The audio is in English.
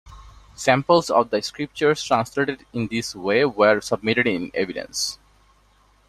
Samples of the scriptures translated in this way were submitted in evidence.